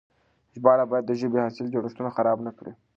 ژباړه بايد د ژبې اصلي جوړښت خراب نه کړي.